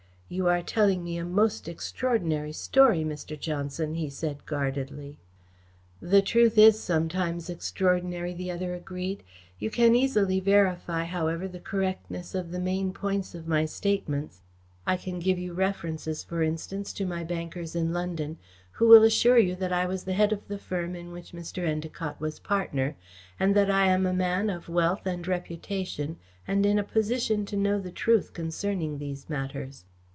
"You are telling me a most extraordinary story, Mr. Johnson," he said guardedly. "The truth is sometimes extraordinary," the other agreed. "You can easily verify, however, the correctness of the main points of my statements. I can give you references, for instance, to my bankers in London, who will assure you that I was the head of the firm in which Mr. Endacott was partner, that I am a man of wealth and reputation, and in a position to know the truth concerning these matters.